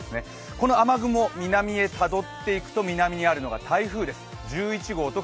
この雨雲、南へたどっていくと、南にあるのが台風１２号です。